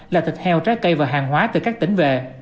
là thịt heo trái cây và hàng hóa từ các tỉnh về